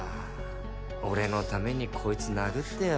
俺のためにこいつ殴ってよ。